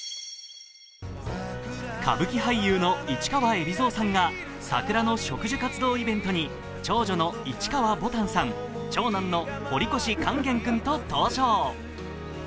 歌舞伎俳優の市川海老蔵さんが桜の植樹活動イベントに長女の市川ぼたんさん、長男の堀越勸玄君と登場。